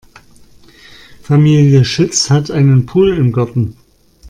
Familie Schütz hat einen Pool im Garten.